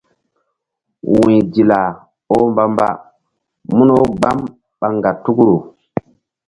Wu̧y Dila oh mbamba mun wo gbam ɓa ŋgatukru.